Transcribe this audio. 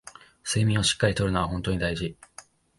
睡眠をしっかり取るのはほんと大事